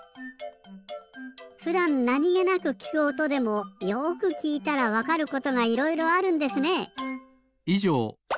ふだんなにげなくきくおとでもよくきいたらわかることがいろいろあるんですね。